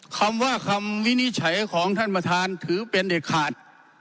คำว่าคำวินิจฉัยของท่านประธานถือเป็นเด็ดขาด